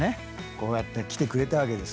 こうやって来てくれたわけですからね。